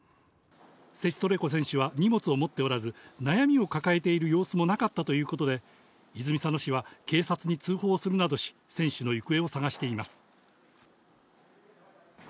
セチトレコ選手は荷物を持っておらず、悩みを抱えている様子もなかったということで、泉佐野市は警察に通報するなどし、選手の行方を捜しています。